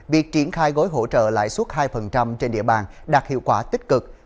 việc triển khai gối hỗ trợ lại suốt hai trên địa bàn đạt hiệu quả tích cực